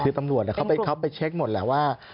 คือตำรวจเขาไปเช็คหมดแหละว่า